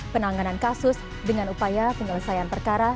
penanganan kasus dengan upaya penyelesaian perkara